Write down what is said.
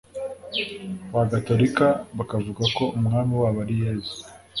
bagatolika bakavuga ko umwami wabo ari "yezu";